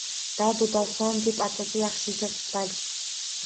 Dardu doston deb atasa yaxshidir, balki